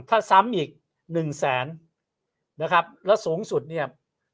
ถ้าซ้ำอีก๑๐๐๐๐๐นะครับแล้วสูงสุดเนี่ย